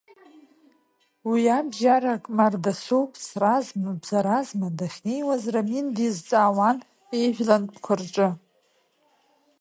Уиабжьарак Мардасоу ԥсразма, бзаразма дахьнеиуаз Рамин дизҵаауан ижәлантәқәа рҿы.